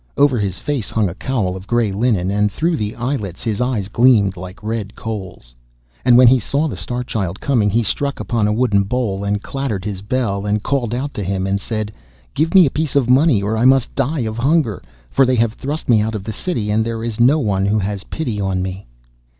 Over his face hung a cowl of grey linen, and through the eyelets his eyes gleamed like red coals. And when he saw the Star Child coming, he struck upon a wooden bowl, and clattered his bell, and called out to him, and said, 'Give me a piece of money, or I must die of hunger. For they have thrust me out of the city, and there is no one who has pity on me.